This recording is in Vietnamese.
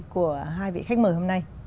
của hai vị khách mời hôm nay